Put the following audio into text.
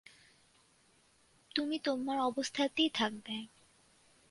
তুমি তোমার অবস্থায়ই থাকবে।